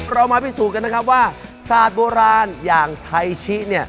เรามาพิสูจน์กันนะครับว่าสาธิ์โบราณอย่างไทชิ